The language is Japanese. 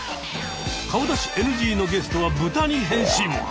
顔出しＮＧのゲストはブタに変身。